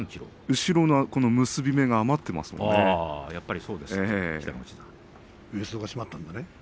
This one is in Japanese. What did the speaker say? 後ろの結び目が余っていますものね。